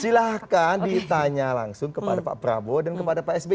silahkan ditanya langsung kepada pak prabowo dan kepada pak sby